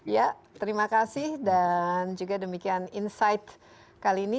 ya terima kasih dan juga demikian insight kali ini